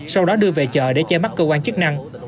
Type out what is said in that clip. sau đó đưa về chợ để che mắt cơ quan chức năng